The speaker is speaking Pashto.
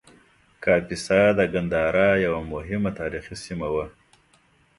کاپیسا د ګندهارا یوه مهمه تاریخي سیمه وه